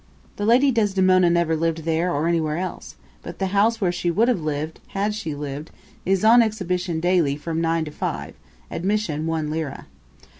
The lady Desdemona never lived there or anywhere else, but the house where she would have lived, had she lived, is on exhibition daily from nine to five, admission one lira.